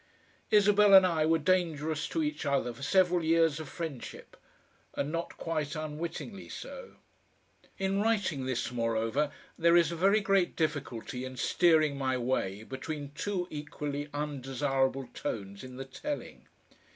Isabel and I were dangerous to each other for several years of friendship, and not quite unwittingly so. In writing this, moreover, there is a very great difficulty in steering my way between two equally undesirable tones in the telling.